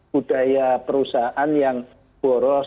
budaya perusahaan yang boros